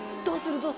どうする？